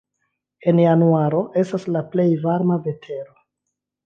En januaro estas la plej varma vetero.